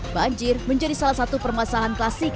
banjir menjadi salah satu permasalahan klasik